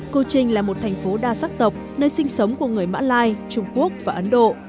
cô trinh là một thành phố đa sắc tộc nơi sinh sống của người mã lai trung quốc và ấn độ